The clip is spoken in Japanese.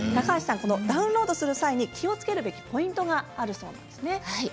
ダウンロードする際に気をつけるべきポイントがあるそうですね。